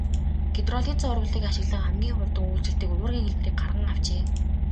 Гидролизын урвалыг ашиглан хамгийн хурдан үйлчилдэг уургийн хэлбэрийг гарган авчээ.